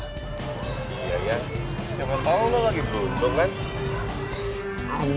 siapa tau lo lagi beruntung kan